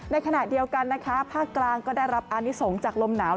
ในขณะเดียวกันนะคะภาคกลางก็ได้รับอานิสงฆ์จากลมหนาว